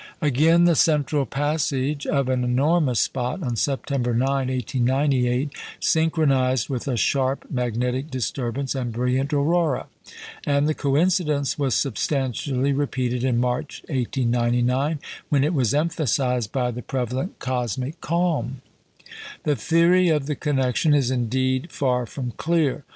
Again, the central passage of an enormous spot on September 9, 1898, synchronised with a sharp magnetic disturbance and brilliant aurora; and the coincidence was substantially repeated in March, 1899, when it was emphasised by the prevalent cosmic calm. The theory of the connection is indeed far from clear.